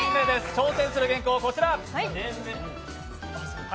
挑戦する原稿はこちら。